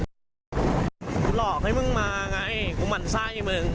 คุณจะหมั่นใต้ในความรู้สึก